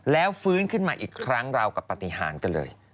แล้วฟื้นขึ้นมาอีกครั้งเรากับปฏิหารกันเลย